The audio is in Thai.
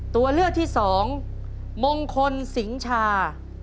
ตัวเลือกที่สองมงคลสิงชา